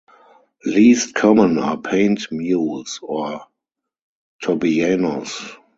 Least common are paint mules or tobianos.